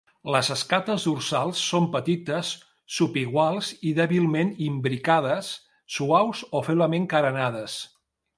Les escates dorsals són petites, subiguals i dèbilment imbricades, suaus o feblement carenades.